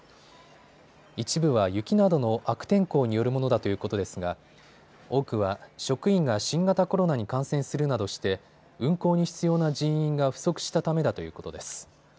一部は雪などの悪天候によるものだということですが多くは職員が新型コロナに感染するなどして運航に必要な人員が不足したためだということです。